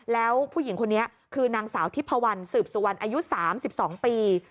แล้วผู้หญิงคนนี้คือนางสาวทิพพวันสืบสุวรรณอายุ๓๒ปี